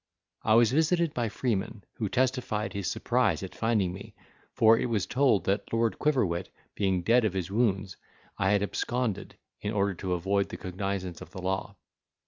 I was visited by Freeman, who testified his surprise at finding me; for it was told, that Lord Quiverwit being dead of his wounds, I had absconded, in order to avoid the cognizance of the law.